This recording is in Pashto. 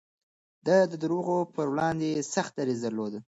ده د دروغو پر وړاندې سخت دريځ درلود.